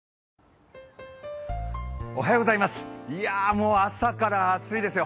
もう朝から暑いですよ。